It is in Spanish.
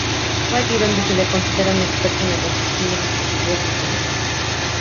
Fue allí donde se le considera un experto en la construcción de dispositivos mecánicos.